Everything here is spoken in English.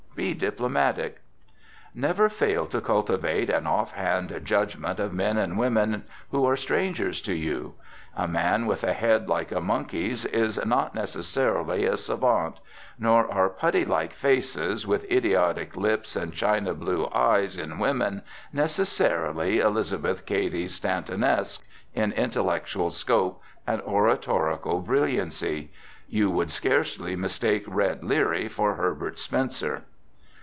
Be diplomatic. Never fail to cultivate an off hand judgment of men and women who are strangers to you. A man with a head like a monkey's is not necessarily a savant; nor are putty like faces, with idiotic lips and China blue eyes, in women, necessarily Elizabeth Cady Stantonesque in intellectual scope and oratorical brilliancy. You would scarcely mistake Red Leary for Herbert Spencer.